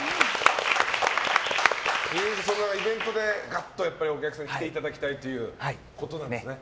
イベントで、ガッとお客さんに来ていただきたいということなんですね。